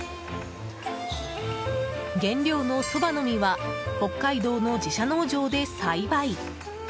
原料のそばの実は北海道の自社農場で栽培。